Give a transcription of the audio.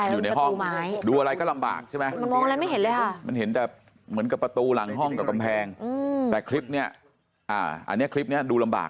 อยู่ในห้องดูอะไรก็ลำบากใช่ไหมมันเห็นแต่เหมือนกับประตูหลังห้องกับกำแพงแต่คลิปนี้อันนี้คลิปนี้ดูลำบาก